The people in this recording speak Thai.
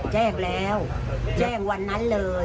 แจ้งแล้วแจ้งวันนั้นเลย